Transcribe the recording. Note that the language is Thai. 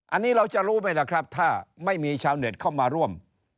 อันนี้เราจะรู้ไหมล่ะครับถ้าไม่มีชาวเน็ตเข้ามาร่วม